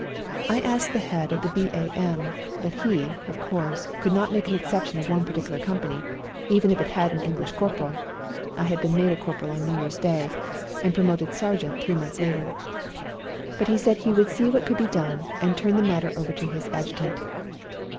I asked the head of the B.A.M., but he, of course, could not make an exception of one particular company, even if it had an English corporal (I had been made cor poral on New Year's Day, and promoted sergeant three months later), but he said he would see what could be done and turned the matter over to his Adjutant.